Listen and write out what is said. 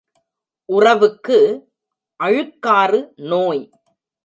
உறவுக்கு, அழுக்காறு நோய்.